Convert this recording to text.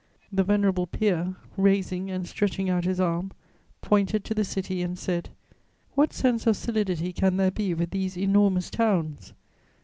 The venerable peer, raising and stretching out his arm, pointed to the City and said: "What sense of solidity can there be with these enormous towns?